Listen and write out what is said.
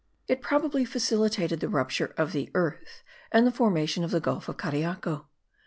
It probably facilitated the rupture of the earth and the formation of the gulf of Cariaco.